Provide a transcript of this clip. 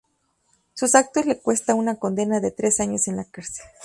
Sus actos le cuesta una condena de tres años en la cárcel.